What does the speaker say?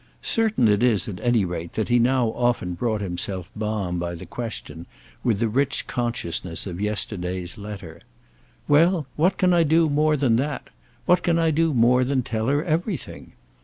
Certain it is at any rate that he now often brought himself balm by the question, with the rich consciousness of yesterday's letter, "Well, what can I do more than that—what can I do more than tell her everything?"